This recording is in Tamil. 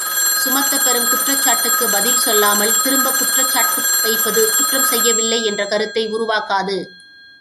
சுமத்தப் பெறும் குற்றச்சாட்டுக்குப் பதில் சொல்லாமல் திரும்ப குற்ற்ச்சாட்டு வைப்பது குற்றம் செய்யவில்லை என்ற கருத்தை உருவாக்காது.